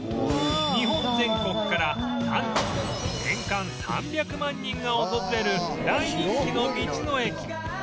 日本全国からなんと年間３００万人が訪れる大人気の道の駅